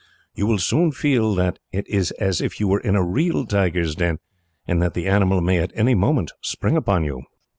You will soon feel that it is as if you were in a real tiger's den, and that the animal may at any moment spring upon you.